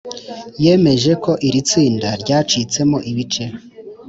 yemeje ko iri tsinda ryacitsmo ibice